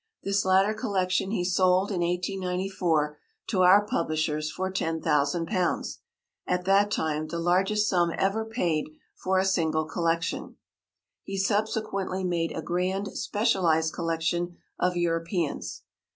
This latter collection he sold, in 1894, to our publishers for £10,000, at that time the largest sum ever paid for a single collection. He subsequently made a grand specialised collection of Europeans.